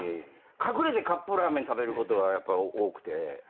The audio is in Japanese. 隠れてカップラーメン食べることがやっぱ多くて。